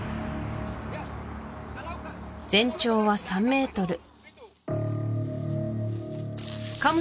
全長は３ｍ噛む